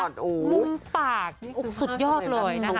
มุมปากสุดยอดเลยนะคะ